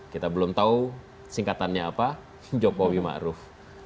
kita belum tahu singkatannya apa jokowi ma'ruf